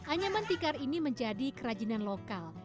anyaman tikar ini menjadi kerajinan lokal